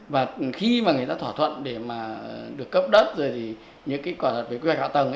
và khi mà người ta thỏa thuận để mà được cấp đất rồi thì những cái quả luật về quy hoạch hạ tầng